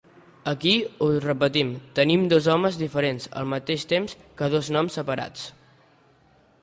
Aquí, ho repetim, tenim dos homes diferents, al mateix temps que dos noms separats.